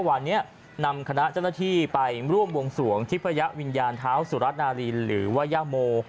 วันนี้นำคณะเจ้าหน้าที่ไปร่วมวงสวงทิพยวิญญาณเท้าสุรัตนารินหรือว่าย่าโม